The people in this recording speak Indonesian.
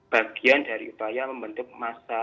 bagian dari upaya membentuk masa